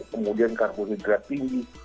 kemudian karbon hidrat tinggi